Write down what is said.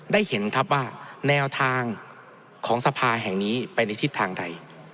ได้เห็นครับว่าแนวทางของสภาแห่งนี้ไปในทิศทางใด